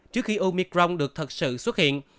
trước khi omicron được thật sự xuất hiện